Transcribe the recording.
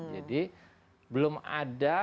jadi belum ada